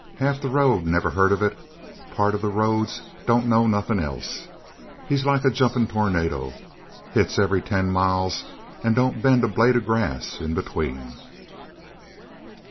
Half the road never heard of it; part of the roads don't know nothin' else. He's like a jumpin tornado; hits every ten miles and don't bend a blade of grass in between.